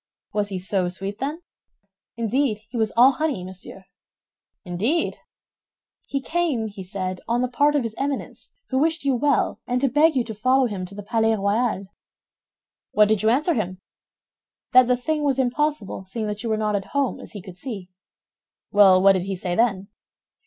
"Was he so sweet, then?" "Indeed, he was all honey, monsieur." "Indeed!" "He came, he said, on the part of his Eminence, who wished you well, and to beg you to follow him to the Palais Royal*." * It was called the Palais Cardinal before Richelieu gave it to the King. "What did you answer him?" "That the thing was impossible, seeing that you were not at home, as he could see." "Well, what did he say then?"